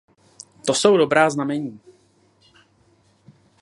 To jsou dobrá znamení.